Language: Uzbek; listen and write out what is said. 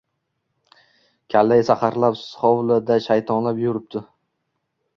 Kallai saharlab hovlida shaytonlab yuribdi